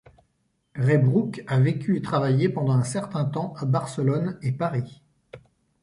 Reybrouck a vécu et travaillé pendant un certain temps à Barcelone et Paris.